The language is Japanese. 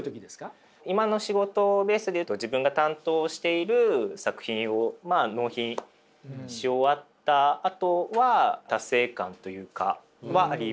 今の仕事ベースで言うと自分が担当している作品を納品し終わったあとは達成感というかはありますね。